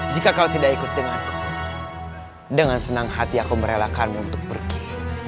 jika kau tidak ikut denganku dengan senang hati aku merelakanmu untuk pergi